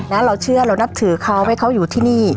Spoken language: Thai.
ใช่ค่ะแล้วเราเชื่อเรนนับถือเขาให้เขาอยู่ที่นี่